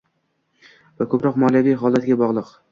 va ko‘proq moliyaviy holatiga bog‘liq.